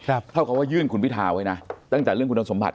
เท่ากับว่ายื่นคุณพิทาไว้นะตั้งแต่เรื่องคุณสมบัติ